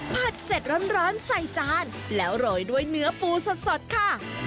เสร็จร้อนใส่จานแล้วโรยด้วยเนื้อปูสดค่ะ